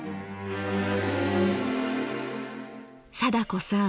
貞子さん